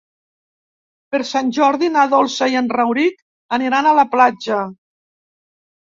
Per Sant Jordi na Dolça i en Rauric aniran a la platja.